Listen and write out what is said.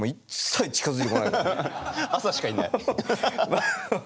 朝しかいない。